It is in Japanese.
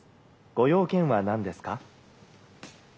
ご用件は何ですか？」。